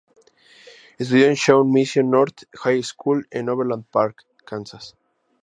Estudió en Shawnee Mission North High School en Overland Park, Kansas.